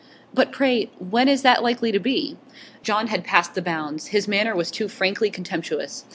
'But, pray, when is that likely to be?' John had passed the bounds; his manner was too frankly contemptuous.